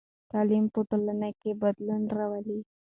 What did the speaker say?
تعلیم په ټولنه کې بدلون راولي.